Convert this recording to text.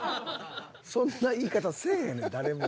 そんな言い方せえへんで誰も。